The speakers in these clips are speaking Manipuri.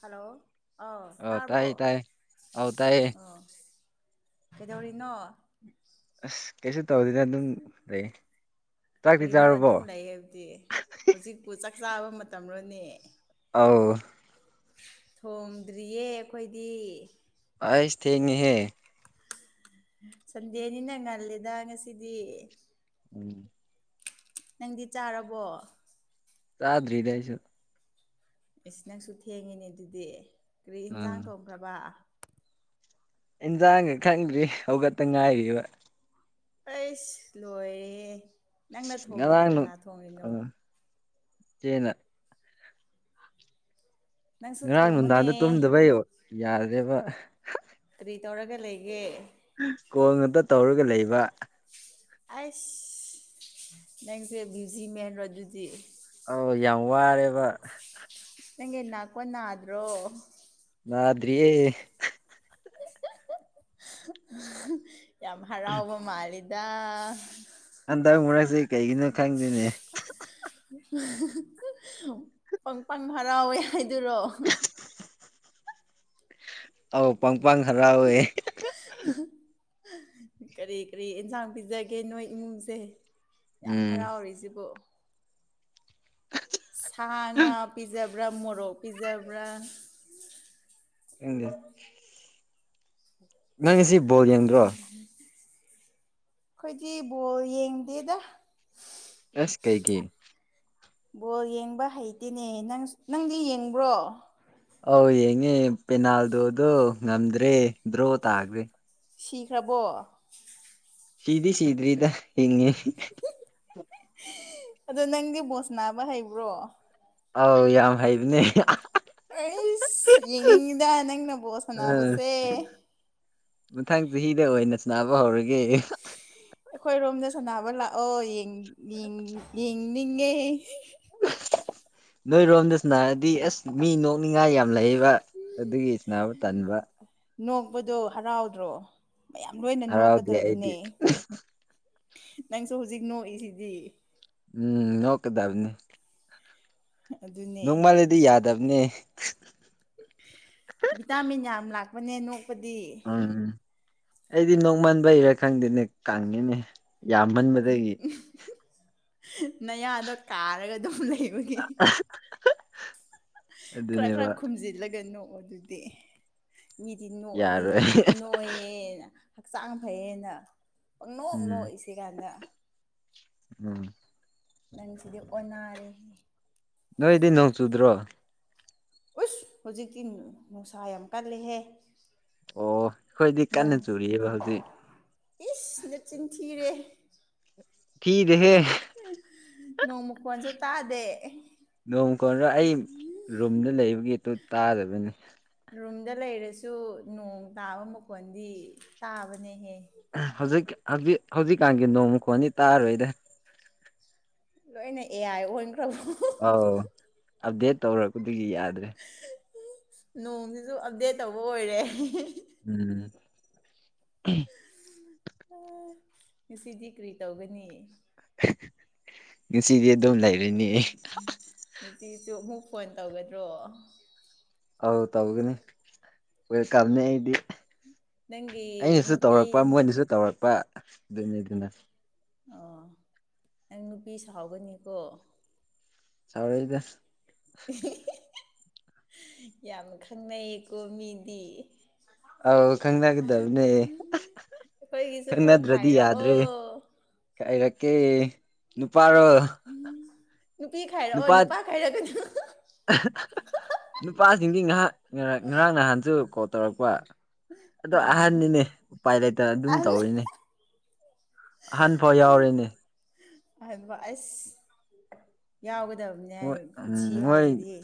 ꯍꯜꯂꯣ ꯑ ꯇꯥꯔꯕꯣ ꯍꯥꯎ ꯇꯥꯏꯌꯦ ꯑꯣ ꯀꯩꯗꯧꯔꯤꯅꯣ ꯑ ꯀꯩꯁꯨ ꯇꯧꯗꯅ ꯑꯗꯨꯝ ꯂꯩ ꯆꯥꯛꯇꯤ ꯀꯔꯤꯅꯣ ꯆꯥꯔꯨꯔꯕꯣ ꯑꯗꯨꯝ ꯂꯩꯌꯦꯕꯗꯤ ꯍꯧꯖꯤꯛꯄꯨ ꯆꯥꯛ ꯆꯥꯕ ꯃꯇꯝꯔꯅꯦ ꯑꯥꯎ ꯊꯣꯡꯗ꯭ꯔꯤꯌꯦ ꯑꯩꯈꯣꯏꯗꯤ ꯑꯁ ꯊꯦꯡꯍꯦ ꯁꯟꯗꯦꯅꯤꯅꯥ ꯉꯜꯜꯂꯤꯗ ꯉꯁꯤꯗꯤ ꯎꯝ ꯅꯪꯗꯤ ꯆꯥꯔꯕꯣ ꯆꯥꯗ꯭ꯔꯤꯗ ꯍꯥꯏꯁꯨ ꯑꯁꯤ ꯅꯪꯁꯨ ꯊꯦꯡꯉꯤꯅꯦ ꯑꯗꯨꯗꯤ ꯀꯔꯤ ꯎꯝ ꯏꯟꯖꯥꯡ ꯊꯣꯡꯈ꯭ꯔꯕꯥ ꯏꯟꯖꯥꯡꯒꯥ ꯈꯪꯗ꯭ꯔꯤ ꯍꯧꯈꯛꯇ ꯉꯥꯏꯔꯤꯕꯥ ꯑꯩꯁ ꯂꯣꯏꯔꯦ ꯅꯪꯅꯥ ꯊꯣꯡꯗꯅ ꯀꯅꯥ ꯊꯣꯡꯂꯤꯅꯣ ꯆ‌ꯦꯅꯥ ꯅꯪꯁꯨ ꯉꯔꯥꯡ ꯊꯣꯡꯉꯨꯅꯦ ꯅꯨꯡꯗꯥꯡꯗ ꯇꯨꯝꯗꯕꯩ ꯌꯥꯗ꯭ꯔꯦꯕꯥ ꯀꯔꯤ ꯇꯧꯔꯒ ꯂꯩꯒꯦ ꯀꯣꯡ ꯑꯇ ꯇꯧꯔꯒ ꯂꯩꯕ ꯑꯁ ꯅꯪꯁꯦ ꯕꯤꯖꯤ ꯃꯦꯟ ꯔ ꯑꯗꯨꯗꯤ ꯑꯣ ꯌꯥꯝ ꯋꯥꯔꯦꯕ ꯅꯪꯒꯤ ꯅꯥꯄꯣ ꯅꯥꯗ꯭ꯔꯣ ꯉꯗ꯭ꯔꯤ ꯌꯥꯝ ꯍꯔꯥꯎꯕ ꯃꯥꯜꯂꯤꯗ ꯍꯟꯗꯛ ꯃꯔꯛꯁꯦ ꯀꯩꯒꯤꯅꯣ ꯈꯪꯗꯦꯅꯦ ꯄꯪ ꯄꯪ ꯍꯔꯥꯎꯋꯦ ꯍꯥꯏꯗꯨꯔꯣ ꯑꯥꯎ ꯄꯪ ꯄꯪ ꯍꯔ ꯑꯣꯏꯌꯦ ꯀꯔꯤ ꯀꯔꯤ ꯑꯦꯟꯁꯥꯡ ꯄꯤꯖꯒꯦ ꯅꯣꯏ ꯏꯃꯨꯡꯁꯦ ꯌꯥꯝ ꯎꯝ ꯍꯔꯥꯎꯔꯤꯁꯤꯕꯨ ꯁꯥ ꯉꯥ ꯄꯤꯖꯕ꯭ꯔꯥ ꯃꯣꯔꯣꯛ ꯄꯤꯖꯕ꯭ꯔꯥ ꯏꯪꯂꯤꯁ ꯅꯪ ꯁꯤ ꯎꯝ ꯑꯩꯈꯣꯏꯗꯤ ꯕꯣꯜ ꯌꯦꯡꯗꯦꯗ ꯑꯁ ꯀꯩꯒꯤ ꯕꯣꯜ ꯌꯦꯡꯕ ꯍꯩꯇꯦꯅꯦ ꯅꯪ ꯅꯪꯗꯤ ꯌꯦꯡꯕ꯭ꯔꯣ ꯑꯧ ꯌꯦꯡꯉꯦ ꯄꯦꯅꯥꯜꯗꯣꯗꯣ ꯉꯝꯗ꯭ꯔꯦ ꯗ꯭ꯔꯣ ꯇꯥꯒꯦ ꯁꯤꯈ꯭ꯔꯕꯣ ꯁꯤꯤꯗꯤ ꯁꯤꯗꯔꯤꯗ ꯍꯉꯦ ꯑꯗꯣ ꯅꯪꯗꯤ ꯕꯣꯁꯅꯥꯕ ꯍꯩꯕ꯭ꯔꯣ ꯑꯧ ꯌꯥꯝ ꯍꯩꯕꯅꯦ ꯑꯩꯁ ꯌꯦꯡꯅꯤꯡꯉꯤꯗ ꯅꯪꯅ ꯕꯣꯠ ꯑꯥ ꯁꯥꯟꯅꯕꯁꯦ ꯃꯊꯪ ꯆꯍꯤꯗ ꯑꯣꯏꯅ ꯁꯅꯕ ꯍꯧꯔꯒꯦ ꯑꯩꯈꯣꯏ ꯔꯣꯝꯗ ꯁꯣꯅꯕ ꯂꯥꯛꯑꯣ ꯉꯦ ꯅꯣꯏꯔꯣꯝꯗꯁꯨꯅꯥꯔꯗꯤ ꯑꯁ ꯃꯤ ꯅꯣꯛꯅꯤꯡꯉꯥꯏ ꯌꯥꯝ ꯂꯩꯕ ꯑꯗꯨꯒꯤ ꯏꯁꯅꯥꯕꯨ ꯇꯟꯥꯟꯕ ꯅꯣꯛꯄꯗꯣ ꯍꯔꯥꯎꯗ꯭ꯔꯣ ꯃꯌꯥꯝ ꯂꯣꯏꯅ ꯍꯔꯥꯎꯗꯦ ꯑꯩꯗꯤ ꯅꯣꯛꯀꯗꯕꯅꯦ ꯅꯪꯁꯨ ꯍꯧꯖꯤꯛ ꯅꯣꯛꯏꯁꯤꯗꯤ ꯎꯝ ꯅꯣꯀꯗꯥꯕꯅꯤ ꯑꯗꯨꯅꯦ ꯅꯣꯡꯃꯜꯂꯗꯤ ꯌꯥꯗꯕꯅꯦ ꯚꯤꯇꯥꯃꯤꯟ ꯌꯥꯝ ꯂꯥꯛꯄꯅꯦ ꯅꯣꯛꯄꯗꯤ ꯎꯝ ꯑꯩꯗꯤ ꯅꯣꯡꯃꯟꯕ ꯍꯩꯔꯥ ꯈꯪꯗꯦꯅꯦ ꯀꯪꯉꯤꯅꯦ ꯌꯥꯝꯃꯟꯕꯗꯒꯤ ꯅꯌꯥꯗꯣ ꯀꯥꯔꯒ ꯑꯗꯨꯝ ꯂꯩꯕꯒꯤ ꯈꯔ ꯈꯔ ꯑꯗꯨꯅꯦꯕ ꯈꯨꯝꯖꯤꯜꯂꯒꯅꯣ ꯑꯗꯨꯗꯤ ꯃꯤꯗꯤ ꯅꯣꯛꯑꯗꯤ ꯌꯥꯔꯣꯏ ꯅꯣꯏꯌꯦꯅ ꯍꯛꯆꯥꯡ ꯐꯩꯌꯦꯦꯅ ꯅꯣꯛ ꯎꯝ ꯅꯣꯛꯏꯁꯤ ꯀꯥꯟꯗ ꯎꯝ ꯅꯪꯁꯤꯗꯤ ꯑꯣꯟꯅꯔꯦ ꯅꯣꯏꯗꯤ ꯅꯣꯡ ꯆꯨꯗ꯭ꯔꯣ ꯎꯁ ꯍꯧꯖꯤꯛꯇꯤ ꯅꯨꯡꯁꯥ ꯌꯥꯝ ꯀꯜꯂꯦꯍꯦ ꯑꯣ ꯑꯩꯈꯣꯏꯗꯤ ꯀꯟꯅ ꯆꯨꯔꯤꯑꯕ ꯍꯧꯖꯤꯛ ꯏꯁꯅ ꯆꯤꯟꯊꯤꯔꯦ ꯐꯗꯦ ꯍꯦ ꯅꯣꯡ ꯃꯈꯣꯟꯁꯨ ꯇꯥꯗꯦ ꯅꯣꯡ ꯀꯣꯟꯗ ꯑꯩ ꯔꯨꯝꯗ ꯂꯩꯕꯒꯤ ꯑꯗꯨ ꯇꯥꯗꯕꯅꯤ ꯔꯨꯝꯗ ꯂꯩꯔꯁꯨ ꯅꯣꯡ ꯇꯥꯕ ꯃꯈꯣꯟꯗꯤ ꯇꯥꯕꯅꯦꯍꯦ ꯍꯧꯖꯤꯛ ꯍꯧꯖꯤꯛ ꯍꯧꯖꯤꯛꯀꯥꯟꯒꯤ ꯅꯣꯡꯃꯨꯛ ꯈꯣꯅꯤ ꯇꯥꯔꯣꯏꯗ ꯂꯣꯏꯅꯦ ꯑꯦꯑ ꯑꯥꯎ ꯑꯞꯗꯦꯠ ꯇꯧꯔꯛꯄꯗꯒꯤ ꯌꯥꯗ꯭ꯔꯦ ꯅꯣꯡꯁꯤꯁꯨ ꯑꯞꯗꯦꯠ ꯇꯧꯕ ꯑꯣꯏꯔꯦ ꯎꯝ ꯉꯁꯤꯗꯤ ꯀꯔꯤ ꯇꯧꯒꯅꯤ ꯉꯁꯤꯗꯤ ꯑꯗꯨꯝ ꯂꯩꯔꯣꯏꯅꯦ ꯉꯁꯤꯁꯨ ꯑꯃꯨꯛ ꯐꯣꯟ ꯇꯧꯒꯗ꯭ꯔꯣ ꯑ ꯇꯧꯒꯅꯤ ꯍꯣꯏ ꯀꯅꯤ ꯑꯩꯗꯤ ꯅꯪꯒꯤ ꯑꯩꯅꯁꯨ ꯅꯨꯄꯤ ꯇꯧꯔꯛꯄ ꯃꯣꯏꯅꯁꯨ ꯇꯧꯔꯛꯄ ꯑꯗꯨꯅꯤ ꯑꯗꯨꯅ ꯑꯣ ꯅꯪ ꯅꯨꯄꯤ ꯁꯥꯎꯒꯅꯤꯀꯣ ꯆꯥꯎꯥꯎꯔꯗ ꯌꯥꯝ ꯈꯪꯅꯩꯌꯦꯀꯣ ꯃꯤꯗꯤ ꯑꯥꯎ ꯈꯪꯅꯒꯗꯕꯅꯦ ꯑꯩꯈꯣꯏꯒꯤꯁꯨ ꯈꯔ ꯈꯪꯅꯗ꯭ꯔꯗꯤ ꯌꯥꯗ꯭ꯔꯦ ꯈꯥꯏꯔꯛꯑꯣ ꯀꯔ ꯀ ꯅꯨꯄꯥꯔꯣ ꯅꯨꯄꯤ ꯈꯥꯏꯔꯛꯑꯣ ꯅꯨꯄꯥ ꯈꯥꯏꯔꯛꯀꯅꯨ ꯅꯨꯄꯥ ꯆꯤꯡꯗꯤ ꯉꯥꯏꯍꯥꯛ ꯉꯔꯥꯡ ꯉꯔꯥꯡ ꯅꯍꯥꯟꯁꯨ ꯀꯣꯜ ꯇꯧꯔꯛꯄ ꯑꯗꯣ ꯎꯝ ꯑꯍꯟꯅꯤꯅꯦ ꯎꯄꯥꯏ ꯂꯩꯇꯅ ꯑꯗꯨꯝ ꯑꯍꯟꯅꯤ ꯇꯧꯔꯤꯅꯦ ꯑꯍꯟ ꯐꯥꯎ ꯌꯥꯎꯔꯤꯅꯦ ꯑꯕ ꯑꯁ ꯌꯥꯎꯒꯗꯕꯅꯦ ꯃꯣꯏ ꯄꯨꯟꯁꯤ ꯎꯝ ꯃꯣꯏ ꯍꯥꯏꯁꯤꯗꯤ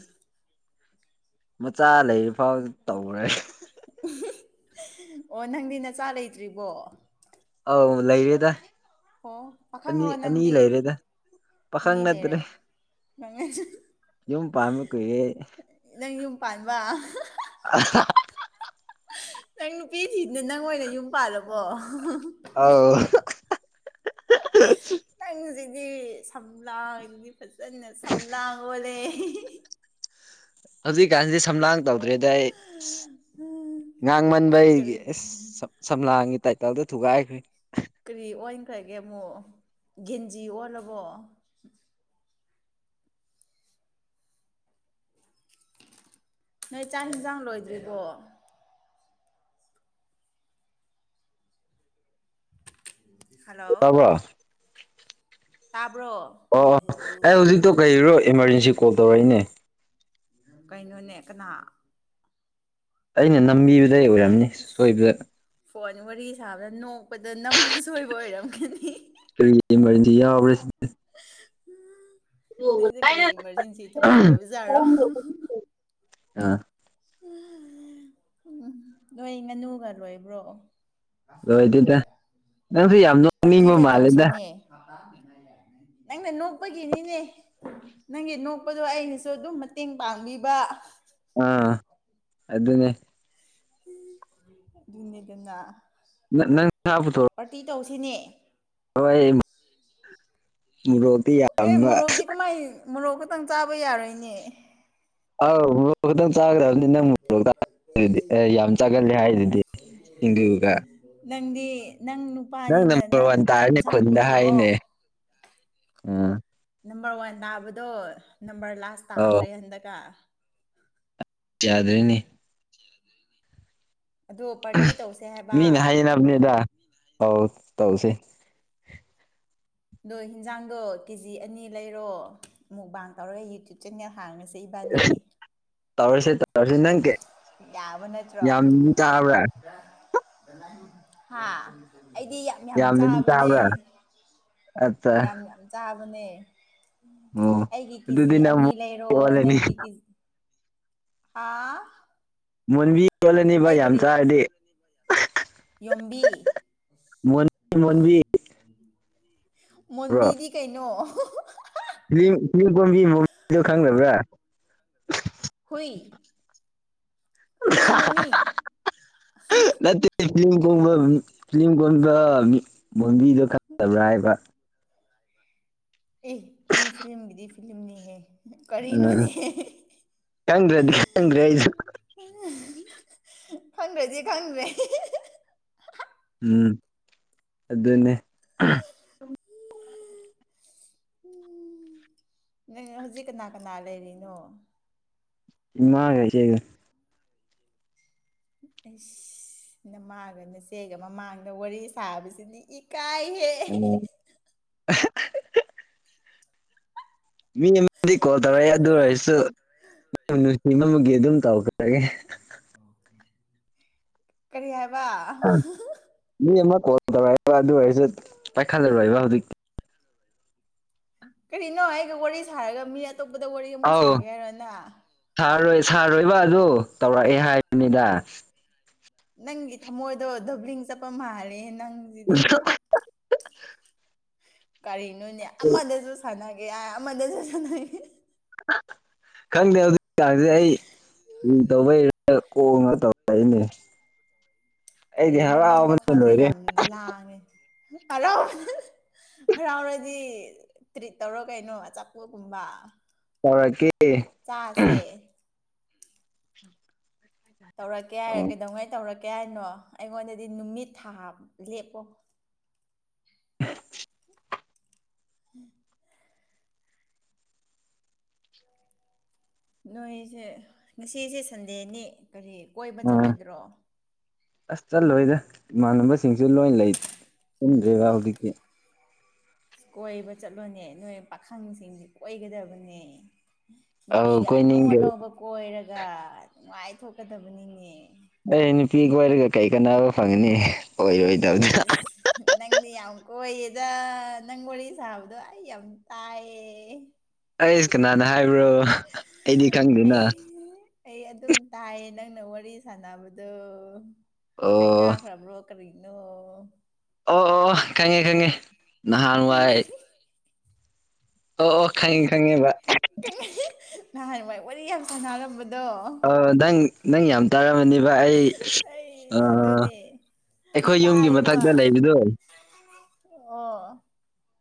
ꯃꯆꯥ ꯂꯩꯔꯤ ꯐꯥꯎ ꯇꯧꯔꯦ ꯑꯣ ꯅꯪꯗꯤ ꯅꯆꯥ ꯂꯩꯇ꯭ꯔꯤꯕꯣ ꯂꯩꯔꯦꯗ ꯑꯣ ꯄꯥꯈꯪ꯭ꯔꯣ ꯅꯪꯗꯤ ꯄꯈꯪ ꯅꯠꯇ꯭ꯔꯔꯤ ꯉꯪꯉꯥꯏꯁꯨ ꯀꯨꯏꯔꯦ ꯅꯪ ꯌꯨꯝ ꯄꯥꯟꯕ ꯅꯪ ꯅꯨꯄꯤ ꯊꯅ ꯅꯪ ꯑꯣꯏꯅ ꯌꯨꯝ ꯄꯥꯜꯂꯕꯣ ꯑꯧ [inaudible] ꯅꯪꯁꯤꯗꯤ ꯁꯝꯂꯥꯡꯗꯤ ꯐꯖꯅ ꯁꯝ ꯂꯥꯡ ꯑꯣꯂꯦ ꯍꯧꯖꯤꯗꯤꯒꯥꯟꯗ ꯁꯝꯂꯥꯡ ꯇꯧꯗ꯭ꯔꯦꯗ ꯑꯩ ꯉꯥꯡꯃꯟꯕ ꯑꯩꯒꯤ ꯀꯔꯤ ꯑꯦꯁ ꯁꯝꯂꯥꯡꯒꯤ ꯇꯥꯏꯇꯥꯜ ꯊꯨꯒꯦꯈꯣꯏ ꯀꯔꯤ ꯑꯣꯟꯈ꯭ꯔꯒꯦ ꯑꯃꯨꯛ ꯒꯦꯟꯖꯤ ꯑꯣꯜꯂꯕꯣ ꯅꯣꯏ ꯆꯥꯛ ꯌꯦꯟꯁꯥꯡ ꯂꯣꯏꯗ꯭ꯔꯤꯕꯔꯤꯕꯣ ꯍꯜꯂꯣ ꯇꯥꯕ꯭ꯔꯣ ꯑꯣ ꯇꯥꯕ ꯑꯣ ꯑꯣ ꯑꯩ ꯍꯧꯖꯤꯛꯇꯣ ꯀꯩꯔꯣ ꯏꯃꯥꯔꯖꯦꯟꯁꯤ ꯀꯣꯜ ꯇꯧꯔꯛꯏꯅꯦ ꯀꯩꯅꯣ ꯅꯦꯛ ꯀꯅꯥ ꯑꯩꯅ ꯅꯝꯕꯤꯕꯗꯩ ꯑꯣꯏꯔꯝꯅꯤ ꯁꯣꯏꯕꯗ ꯀꯣꯟ ꯋꯥꯔꯤ ꯁꯥꯕꯗ ꯅꯣꯛꯄꯗ ꯅꯝ ꯑꯁꯣꯏꯕ ꯑꯣꯏꯔꯝꯒꯅꯤ ꯀꯔꯤ ꯏꯃꯥꯔꯖꯦꯟꯁꯤ ꯌꯥꯎꯕ꯭ꯔꯥ ꯅꯪꯁꯦ ꯀꯔꯤ ꯏꯃꯔꯖꯦꯟꯁꯤ ꯊꯕꯛ ꯑꯥ ꯂꯩꯕꯖꯥꯔꯣ ꯑ ꯎꯝ ꯅꯣꯏ ꯉꯥꯅꯨꯒ ꯂꯣꯏꯕ꯭ꯔꯣ ꯂꯣꯏꯗꯦꯗ ꯅꯪꯁꯨ ꯌꯥꯝ ꯅꯣꯛꯅꯤꯡꯕ ꯃꯥꯜꯂꯦꯗ ꯑ ꯅꯪꯅ ꯅꯣꯛꯄꯒꯤꯅꯤꯅꯦ ꯅꯪꯒꯤ ꯅꯣꯛꯄꯗꯣ ꯑꯩꯅꯁꯨ ꯑꯗꯨꯝ ꯃꯇꯦꯡ ꯄꯥꯡꯕꯤꯕ ꯀ ꯑꯥ ꯑꯗꯨ ꯑꯗꯨꯅꯦ ꯑꯗꯨꯅꯤꯗꯅ ꯅꯪ ꯁꯥꯕꯊ ꯁꯨꯅꯤ ꯍꯣꯏ ꯃꯣꯇꯤ ꯌꯥꯝꯕ ꯅꯪ ꯆꯥꯕ ꯌꯥꯔꯣꯏꯅꯦ ꯑꯥꯎ ꯆꯥꯒ꯭ꯔ ꯑꯗꯨ ꯅꯪ ꯃꯣꯛꯗꯤ ꯑꯦ ꯌꯥꯝ ꯆꯥꯒꯂꯦ ꯍꯥꯏꯗꯨꯗꯤ ꯁꯤꯡꯗꯨꯒ ꯅꯪꯗꯤ ꯅꯪ ꯅꯨꯄꯥꯅꯤꯅ ꯅꯪ ꯋꯥꯟ ꯏꯟꯁꯥꯡ ꯄꯨꯊꯣꯔꯛꯑꯣ ꯎꯝ ꯅꯝꯕꯔ ꯋꯥꯟ ꯇꯥꯕꯗꯣ ꯅꯝꯕꯔ ꯂꯥꯁ ꯑꯧ ꯇꯥꯈ꯭ꯔꯦ ꯍꯟꯗꯛꯀ ꯌꯥꯗ꯭ꯔꯅꯤ ꯑꯗꯣ ꯄꯥꯔꯇꯤ ꯇꯧꯁꯦ ꯍꯥꯏꯕ ꯍꯧ ꯇꯧꯁꯤ ꯑꯗꯣ ꯍꯤꯟꯖꯥꯡꯗꯣ ꯀꯦ ꯖꯤ ꯑꯅꯤ ꯂꯩꯔꯣ ꯑꯃꯨꯛ ꯕꯥꯥꯡ ꯇꯧꯔꯒ ꯌꯨꯇꯨꯨꯞ ꯆꯦꯟꯅꯜ ꯍꯥꯡꯉꯁꯤ ꯇꯧꯔꯁꯤ ꯇꯋꯥꯔꯁꯤ ꯅꯪ ꯀꯦ ꯌꯥꯕ ꯅꯠꯇ꯭ꯔꯣ ꯆꯥꯕ꯭ꯔꯥ ꯍꯥ ꯑꯩꯗꯤ ꯌꯥꯝ ꯌꯥꯝ ꯌꯥꯝꯅꯗꯤ ꯆꯥꯕꯅꯦ ꯆꯥꯕ꯭ꯔꯥ ꯑꯠꯆꯥ ꯌꯥꯝ ꯌꯥꯝ ꯆꯥꯕꯅꯦ ꯑꯣ ꯑꯩꯒꯤ ꯀꯤꯖꯤ ꯑꯗꯨꯗꯤ ꯅꯪ ꯑꯅꯤ ꯂꯩꯔꯣ ꯑꯣꯜꯂꯅꯤ ꯅꯪꯒꯤ ꯀꯤꯖꯤ ꯍꯥꯥ ꯃꯨꯕꯤ ꯌꯣꯜꯂꯅꯤꯕ ꯌꯥꯝ ꯆꯥꯔꯗꯤ ꯌꯣꯝꯕꯤ ꯃ ꯃꯟꯕꯤ ꯃꯟꯗꯤꯔꯗꯤ ꯀꯩꯅꯣ ꯐꯤ ꯐꯤꯝ ꯀꯣꯝꯕꯤ ꯃꯗꯣ ꯈꯪꯕ꯭ꯔꯥ ꯍꯨꯏ ꯍꯨꯏ ꯃꯃꯤꯡ ꯅꯠꯇ ꯐ ꯀ ꯐ ꯉꯝꯗ ꯃꯤ ꯣꯝꯕꯤꯗꯣ ꯈꯠꯇꯕ꯭ꯔꯥ ꯍꯥꯏꯕ ꯑꯦ ꯃꯤ ꯐꯤꯂꯝꯒꯤꯗꯤ ꯐꯤꯂꯝꯅꯤꯍꯦ ꯎꯝ ꯀꯔꯤꯅꯣꯅꯦ ꯀꯪ꯭ꯔꯦꯗꯤꯪ꯭ꯔꯦꯁꯨ ꯈꯟ꯭ꯔꯗꯤ ꯈꯟ꯭ꯔꯦ ꯎꯝ ꯑꯗꯨꯗꯟꯅꯦ ꯎ ꯅꯪ ꯍꯧꯖꯤꯛ ꯀꯅꯥ ꯀꯅꯥ ꯂꯩꯔꯤꯅꯣ ꯏꯃ ꯀꯁꯦ ꯑꯁ ꯅꯃꯥꯒ ꯅꯆꯦꯒ ꯃꯃꯥꯡꯗ ꯋꯥꯔꯤ ꯁꯥꯕꯁꯤꯅꯤ ꯏꯀꯥꯏ ꯍ ꯑꯣ [inaudible] ꯃꯤꯗꯤ ꯀꯣꯜ ꯇꯧꯔ ꯌꯥ ꯑꯗꯨꯣꯏꯁꯨ ꯅꯨꯡꯁꯤꯕꯃ ꯑꯗꯨꯝ ꯇꯧꯈ꯭ꯔꯒꯦ ꯀꯔꯤ ꯍꯥꯏꯕ ꯃꯤ ꯑꯃ ꯀꯣꯜ ꯇꯧꯔꯛꯏꯕ ꯑꯗꯨ ꯑꯣꯏꯔꯁꯨ ꯄꯥꯏꯈꯠꯂꯔꯣꯏꯕ ꯍꯧꯖꯤꯛ ꯀꯔꯤꯅꯣ ꯑꯩꯒ ꯋꯥꯔꯤ ꯁꯥꯔꯒ ꯃꯤ ꯑꯇꯣꯞꯄꯗ ꯋꯥꯔꯤ ꯑꯃꯨꯛ ꯑꯧ ꯁꯥꯒꯦ ꯍꯥꯏꯔꯣꯅ ꯁꯥꯔꯣꯏ ꯁꯥꯔꯣꯏꯕ ꯑ ꯑꯗꯨ ꯇꯧꯔꯛꯑꯦ ꯍꯥꯏꯕꯅꯤꯗ ꯅꯪꯒꯤ ꯊꯃꯣꯏꯗꯣ ꯗꯣꯕ꯭ꯂꯤꯡ ꯆꯠꯄ ꯃꯥꯜꯔꯦ ꯅꯪꯁꯤꯗꯤ ꯀꯔꯤꯅꯣꯅꯦ ꯑꯃꯗꯁꯨ ꯁꯥꯟꯅꯒꯦ ꯌꯥ ꯑꯃꯗꯁꯨ ꯁꯥꯟꯅꯒꯦ ꯈꯪꯗꯦ ꯑꯗꯨꯔꯗꯤ ꯑꯩ ꯎ ꯇꯏ ꯀ ꯅ ꯇꯧꯅꯤ ꯀꯔꯤꯅꯣ ꯅꯪ ꯋꯥꯈꯜꯥꯁꯦ ꯌꯥꯝ ꯂꯥꯡꯉꯦ ꯍꯔꯥꯎꯕ ꯍꯔꯥꯎꯔꯗꯤ ꯇ꯭ꯔꯤꯠ ꯇꯧꯔꯣ ꯀꯩꯅꯣ ꯑꯆꯥꯄꯣꯒꯨꯝꯕ ꯇꯧꯔꯛꯀꯤꯦ ꯎꯝ ꯇꯧꯔꯛꯀꯦꯔ ꯀꯩꯗꯧꯉꯅ ꯇꯧꯔꯀꯦ ꯀꯌꯥꯅꯣ ꯑꯩꯉꯣꯟꯗꯗꯤ ꯅꯨꯃꯤꯠ ꯊꯥ ꯂꯦꯞꯄꯣ ꯎꯝ ꯎꯝ ꯅꯣꯏꯁꯦ ꯉꯁꯤꯁꯦ ꯁꯟꯗꯦꯅꯤ ꯀꯔꯤ ꯀꯣꯏꯕ ꯑꯥ ꯆꯠꯂꯣꯏꯗ꯭ꯔꯣ ꯑꯁ ꯆꯠꯂꯣꯏꯗ ꯏꯃꯥꯟꯅꯕꯁꯤꯡꯁꯨ ꯂꯣꯏ ꯂꯩ ꯆꯟꯗ꯭ꯦꯕ ꯍꯧꯖꯤꯛꯇꯤ ꯀꯣꯏꯕ ꯆꯠꯂꯣꯅꯦ ꯅꯣꯏ ꯄꯥꯈꯪꯁꯤꯡꯁ ꯀꯣꯏꯒꯗꯕꯅꯦ ꯑꯧ ꯅꯨꯄꯤꯒ ꯑꯅꯧ ꯀꯣꯏꯅꯤꯡꯗꯦ ꯑꯅꯧꯕ ꯀꯣꯏꯔꯒ ꯅꯨꯡꯉꯥꯏꯊꯣꯛꯀꯗꯕꯅꯤꯅꯦ ꯑꯩ ꯅꯨꯄꯤꯒ ꯑꯣꯏꯔꯒ ꯀꯩ ꯀꯥꯟꯅꯕ ꯐꯪꯒꯅꯤ ꯑꯣꯏꯔꯣꯏꯗꯕꯗꯅ ꯑꯦꯁ ꯅꯪꯗꯤ ꯌꯥꯝ ꯀꯣꯏꯌꯦꯗ ꯅꯪ ꯋꯥꯔꯤ ꯁꯥꯕꯗꯣ ꯑꯩ ꯌꯥꯝ ꯇꯥꯏꯌꯦ ꯑꯩꯁ ꯀꯅꯥꯅ ꯍꯥꯏꯕ꯭ꯔꯣ ꯑꯩꯗꯤ ꯈꯪꯗꯦꯅ ꯑꯩ ꯑꯩ ꯑꯗꯨꯝ ꯇꯥꯏꯌꯦ ꯅꯪꯅ ꯋꯥꯔꯤ ꯁꯥꯟꯅꯕꯗꯣ ꯑꯣ ꯀꯥꯏꯅꯈ꯭ꯔꯕ꯭ꯔꯣ ꯀꯔꯤꯅꯣ ꯅꯣ ꯑꯣ ꯑꯣ ꯈꯪꯉꯦ ꯈꯪꯉꯦ ꯀꯪꯉꯤ ꯅꯍꯥꯟꯋꯥꯏ ꯑꯣ ꯑꯣ ꯈꯪꯉꯤ ꯈꯪꯉꯦꯕ ꯅꯍꯥꯟꯋꯥ ꯋꯥꯔꯤ ꯌꯥꯝ ꯁꯥꯟꯅꯔꯝꯕꯗ ꯑ ꯅꯪ ꯅꯪ ꯌꯥꯝ ꯇꯥꯒ ꯃꯅꯤ ꯏꯚ ꯑꯩ ꯑꯩ ꯑꯗꯨꯅꯦ ꯑꯩꯈꯣꯏ ꯌꯨꯝꯒꯤ ꯇꯥꯏꯌꯦꯕ ꯃꯊꯛꯇ ꯂꯩꯕꯗꯣ ꯑꯣ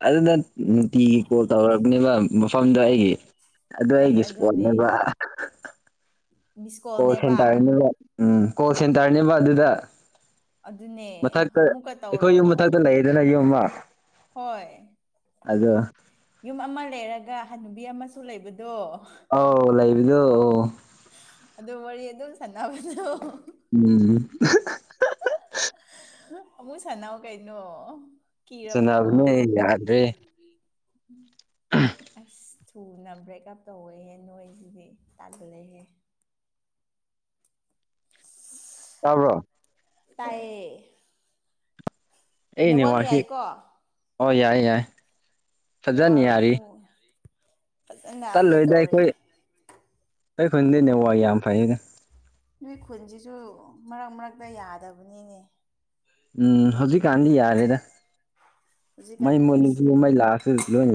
ꯑꯗꯨꯗ ꯅꯨꯡꯇꯤꯒꯤ ꯀꯣꯜ ꯇꯧꯛꯄꯅꯦꯕ ꯃꯐꯝꯗ ꯑꯩꯒꯤ ꯑꯗꯨ ꯑꯩ ꯑꯩꯒꯤ ꯑꯗꯨꯅꯦ ꯏꯁꯄꯣꯠꯅꯦꯕ ꯀꯣꯁꯦꯟ ꯃꯤꯁꯀꯣꯜꯅꯦꯕ ꯇꯥꯅꯤꯕ ꯎꯝ ꯀꯣꯁꯤ ꯇꯥꯔꯅꯤꯕ ꯑꯗꯨꯗ ꯑꯗꯨꯅꯦ ꯃꯊꯛꯇ ꯑꯃꯨꯛꯀ ꯑꯩꯈꯣꯏ ꯇꯧꯔꯣ ꯌꯨꯝ ꯃꯊꯛꯇ ꯂꯩꯌꯦꯗꯅ ꯌꯨꯝ ꯑꯃ ꫰ꯍꯣꯏ ꯑꯗꯣ ꯌꯨꯝ ꯑꯃ ꯂꯩꯔꯒ ꫰ꯍꯟꯅꯨꯕꯤ ꯑꯃꯁꯨ ꯂꯩꯕꯗꯣ ꯏꯣ ꯑꯗꯨ ꯋꯥꯔꯤ ꯑꯗꯨꯝ ꯁꯥꯟꯅꯕꯗ ꯎꯝ ꯨ ꯁꯅꯥꯎ ꯀꯩꯅꯅꯣ ꯆꯅꯥꯕꯅꯦ ꯌꯥꯗꯔꯤ ꯑꯁ ꯊꯨꯅ ꯕ꯭ꯔꯦꯛꯑꯞ ꯇꯧꯋꯍꯦ ꯅꯣꯏꯁꯤꯗꯤ ꯇꯥꯟꯈꯠꯂꯛꯍꯦ ꯇꯕ꯭ꯔꯣ ꯇꯥꯏꯌꯦ ꯑꯩ ꯅꯦꯋꯥꯡ ꯅꯦꯠꯋꯥꯛꯁꯤ ꯌꯥꯏꯀꯣ ꯑꯣ ꯌꯥꯏ ꯌꯥꯏ ꯅꯋꯥ ꯐꯖꯅ ꯑꯃꯨ ꯆꯠꯂꯣꯏꯗ ꯑꯩꯈꯣꯏ ꯑꯩꯈꯟꯗꯅꯦ ꯋꯥ ꯌꯥꯝ ꯐꯩꯅ ꯅꯣꯏ ꯈꯨꯟꯁꯤꯁꯨ ꯃꯔꯛ ꯃꯔꯛꯇ ꯌꯥꯗꯕꯅꯤꯅꯦ ꯎꯝ ꯍꯧꯖꯤꯛꯀꯥꯟꯗꯤ ꯌꯥꯔꯦꯗ ꯃꯩ ꯍꯧꯖꯤꯛꯀꯥꯟꯗꯤ ꯃꯣꯜꯂꯤꯁꯤ ꯑꯁ ꯃꯩ ꯂꯥꯛꯑꯁꯨ ꯂꯣꯏ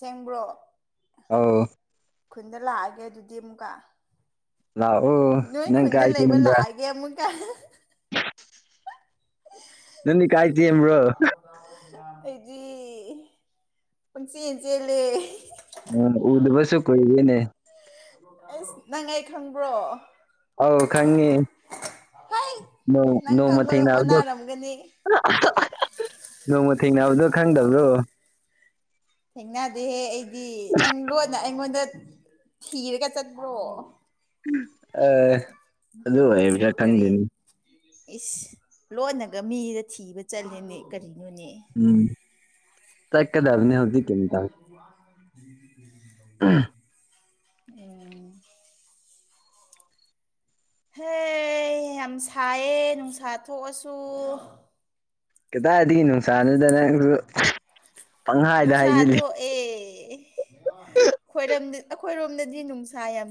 ꯁꯦꯡꯕ꯭ꯔꯣ ꯑꯥꯎ ꯈꯨꯟꯗ ꯂꯥꯛꯑꯒꯦ ꯑꯗꯨꯗꯤ ꯑꯃꯨꯛꯀ ꯂ ꯑꯣ ꯅꯪ ꯀꯥꯏꯇꯦ ꯅꯝꯕ꯭ꯔ ꯀ ꯅꯅꯤ ꯀꯥꯏ ꯆꯦ ꯑꯃ꯭ꯔ ꯑꯩꯗꯤ ꯄꯪꯆꯦꯟ ꯆꯦꯜꯂꯦ ꯎ ꯎꯗꯕꯁꯨ ꯀꯣꯏꯒꯤꯅꯦ ꯑꯁ ꯅꯪ ꯑꯩ ꯈꯪꯕ꯭ꯔꯣ ꯑꯥꯎ ꯈꯪꯉꯤ ꯍꯩ ꯅ ꯅꯪ ꯅ ꯃ ꯈꯪꯕꯗ ꯊꯅꯗꯣ ꯑꯣꯟꯅꯔꯝꯒꯅꯤ ꯅꯣꯡꯃ ꯊꯦꯡꯅꯕꯗꯣ ꯈꯪꯗꯕ꯭ꯔꯣ ꯑꯗꯨꯍꯦ ꯑꯩꯗꯤ ꯅꯪ ꯂꯣꯟꯅ ꯑꯩꯉꯣꯟꯗ ꯊꯤꯔꯒ ꯆꯠꯄ꯭ꯔꯣ ꯑ ꯑꯗꯨ ꯑꯩ ꯄꯁꯥ ꯀꯔꯤ ꯈꯪꯗꯦꯅꯤ ꯏꯁ ꯂꯣꯟꯅꯒ ꯃꯤꯗ ꯊꯤꯕ ꯆꯠꯂꯦꯅꯦ ꯀꯔꯤ ꯎꯝ ꯇ ꯀꯗꯔꯅꯤ ꯍꯧꯗꯤ ꯀꯃꯤꯇ ꯎꯝ ꯎ ꯍ ꯌꯥꯝ ꯁꯥꯏꯌꯦ ꯅꯨꯡꯁꯥ ꯊꯣꯛꯑꯁꯨ ꯀꯗꯥꯗꯅ ꯗ ꯅꯨꯡꯁꯥ ꯊꯣꯛꯑꯦꯣꯏ ꯑꯩꯈꯣꯏꯔꯣꯝꯗ ꯅꯨꯡꯁꯥ ꯌꯥꯝ